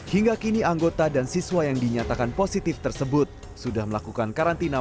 hingga kini anggota dan siswa yang dinyatakan positif tersebut sudah melakukan karantina